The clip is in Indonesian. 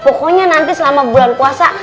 pokoknya nanti selama bulan puasa